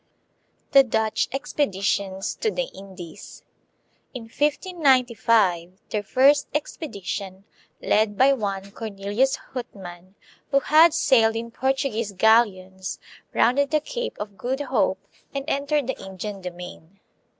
The Dutch Expeditions to the Indies. In 1595 their first expedition, led by one Cornelius Houtman, who had sailed in Portuguese galleons, rounded the Cape of Good Hope and entered the Indian domain.